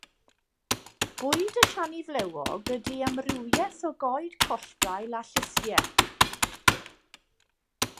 Bwyd y siani flewog ydy amrywiaeth o goed collddail a llysiau.